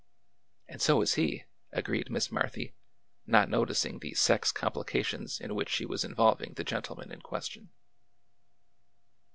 And so is he," agreed Miss Marthy, not noticing the sex complications in which she was involving the gentle man in question.